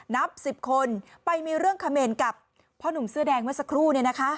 นับ๑๐คนไปมีเรื่องเขมรกับพ่อหนุ่มเสื้อแดงเมื่อสักครู่